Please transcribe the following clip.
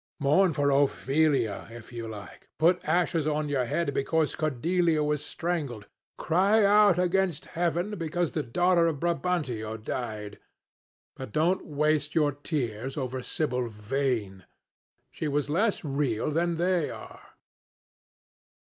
Mourn for Ophelia, if you like. Put ashes on your head because Cordelia was strangled. Cry out against Heaven because the daughter of Brabantio died. But don't waste your tears over Sibyl Vane. She was less real than they are."